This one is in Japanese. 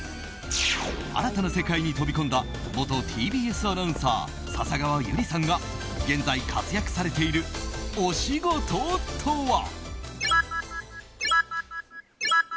新たな世界に飛び込んだ元ＴＢＳアナウンサー笹川友里さんが現在、活躍されているお仕事とは。